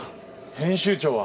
編集長は？